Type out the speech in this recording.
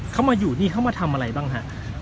เขามาอยู่นี่เขามาทำอะไรบ้างฮะ